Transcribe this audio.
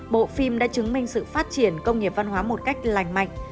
bộ phim đã chứng minh sự phát triển công nghiệp văn hóa một cách lành mạnh